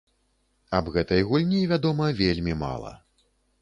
Аб гэтай гульні вядома вельмі мала.